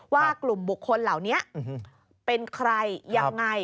ว่ากลุ่มบุคคลเหล่านี้เป็นใครยังไง